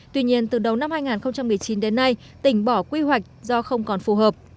tuy nhiên từ đầu năm hai nghìn một mươi chín đến nay tỉnh bỏ quy hoạch do không còn phù hợp